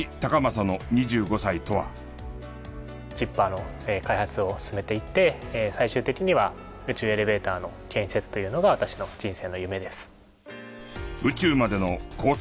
Ｚｉｐｐａｒの開発を進めていって最終的には宇宙エレベーターの建設というのが私の人生の夢です。